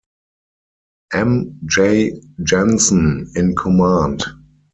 M. J. Jensen in command.